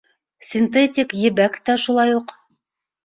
Синтетик ебәк тә шулай уҡ.